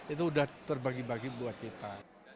itu sudah terbagi bagi buat kita